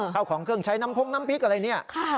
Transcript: เข้าของเครื่องใช้น้ำพงน้ำพริกอะไรเนี่ย